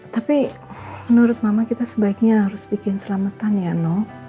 tapi menurut mama kita sebaiknya harus bikin selamatan ya no